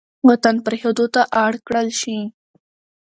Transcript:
وطـن پـرېښـودو تـه اړ کـړل شـي.